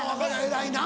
偉いな。